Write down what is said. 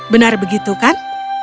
benar begitu kan